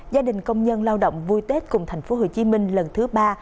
gia đình công nhân lao động vui tết cùng tp hcm lần thứ ba